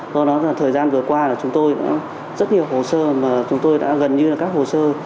có nói là thời gian vừa qua là chúng tôi đã rất nhiều hồ sơ mà chúng tôi đã gần như là các hồ sơ